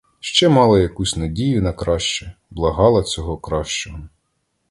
Ще мала якусь надію на краще, благала цього кращого.